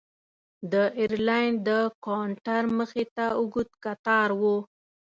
د ایرلاین د کاونټر مخې ته اوږد کتار و.